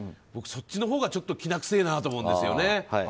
そっちのほうがちょっときなくせえなと思うんですよね。